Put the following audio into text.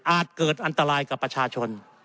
เกิดอันตรายกับประชาชน